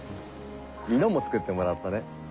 二度も救ってもらったね。